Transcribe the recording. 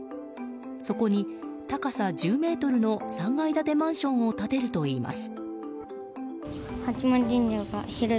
そこに、高さ１０ｍの３階建てマンションを立てるといいます。